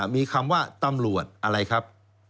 มีคำว่าตำรวจอะไรครับ